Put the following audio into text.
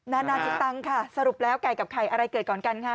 นานาจิตตังค่ะสรุปแล้วไก่กับไข่อะไรเกิดก่อนกันค่ะ